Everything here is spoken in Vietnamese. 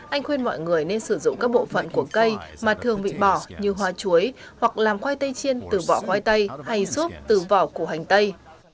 anh khuyên mọi người nên sử dụng các bộ phận của cây mà thường bị bỏ như hoa chuối hoặc làm khoai tây chiên từ vỏ khoai tây hay xốp từ vỏ của hành tây